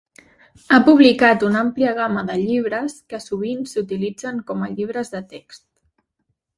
Ha publicat una àmplia gamma de llibres, que sovint s'utilitzen com a llibres de text.